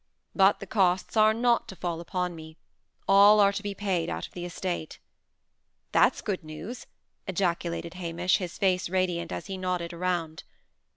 But the costs are not to fall upon me; all are to be paid out of the estate." "That's good news!" ejaculated Hamish, his face radiant, as he nodded around.